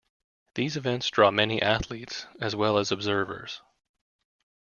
These events draw many athletes as well as observers.